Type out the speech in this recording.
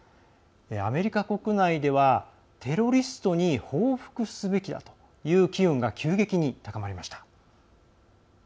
アメリカ国内ではテロリストに報復すべきだという機運が急激に高まりました。